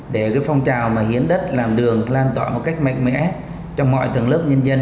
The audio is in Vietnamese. để phong trào hiến đất làm đường lan tỏa một cách mạnh mẽ